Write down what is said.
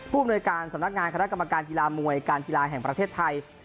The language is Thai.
ผู้บริเวณการสำนักงานคณะกรรมการธิลามวยการธิลาแห่งประเทศไทย